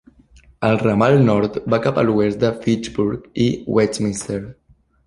El ramal nord va cap a l'oest de Fitchburg i Westminster.